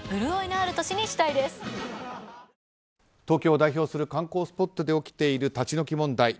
東京を代表する観光スポットで起きている立ち退き問題